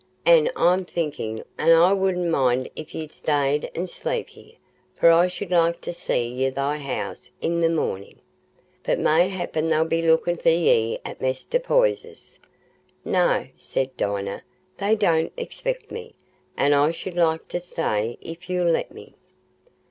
An' I'm thinkin' I wouldna mind if ye'd stay an' sleep here, for I should like to see ye i' th' house i' th' mornin'. But mayhappen they'll be lookin for ye at Mester Poyser's." "No," said Dinah, "they don't expect me, and I should like to stay, if you'll let me."